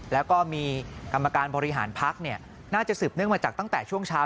แล้วก็มีกรรมการบริหารพักน่าจะสืบเนื่องมาจากตั้งแต่ช่วงเช้า